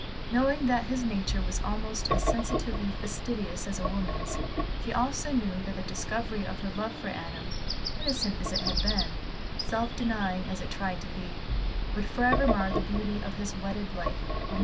Knowing that his nature was almost as sensitively fastidious as a woman's, she also knew that the discovery of her love for Adam, innocent as it had been, self denying as it tried to be, would forever mar the beauty of his wedded life for Moor.